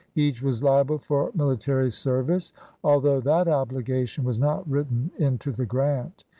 Each was liable for military service, although that obligation was not written into the grant.